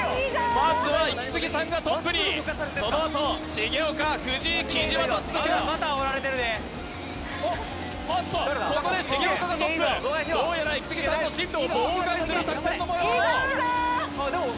まずはイキスギさんがトップにそのあと重岡藤井貴島と続く・またあおられてるで・おっおっとここで重岡がトップどうやらイキスギさんの進路を妨害する作戦の模様・あっでも